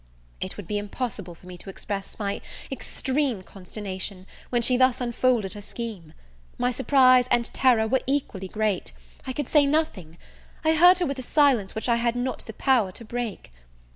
It would be impossible for me to express my extreme consternation when she thus unfolded her scheme. My surprise and terror were equally great; I could say nothing: I heard her with a silence which I had not the power to break.